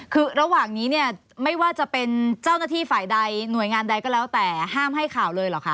คือระหว่างนี้เนี่ยไม่ว่าจะเป็นเจ้าหน้าที่ฝ่ายใดหน่วยงานใดก็แล้วแต่ห้ามให้ข่าวเลยเหรอคะ